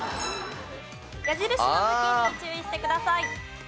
矢印の向きに注意してください。